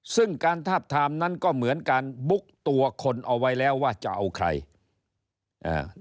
ซึ่งการทาบทามนั้นก็เหมือนการบุ๊กตัวคนเอาไว้แล้วว่าจะเอาใครอ่า